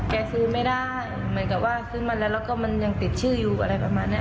ซื้อไม่ได้เหมือนกับว่าซื้อมาแล้วแล้วก็มันยังติดชื่ออยู่อะไรประมาณเนี้ย